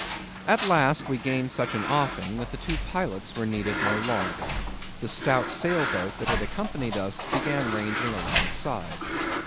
At last we gained such an offing, that the two pilots were needed no longer. The stout sail boat that had accompanied us began ranging alongside.